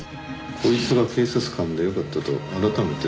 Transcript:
こいつが警察官でよかったと改めて思いますね。